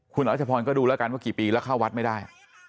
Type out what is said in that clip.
คุณรัชพรก็ดูแล้วกันว่ากี่ปีแล้วเข้าวัดไม่ได้